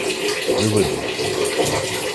— Приведи.